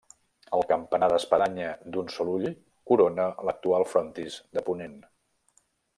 El campanar d'espadanya d'un sol ull corona l'actual frontis de ponent.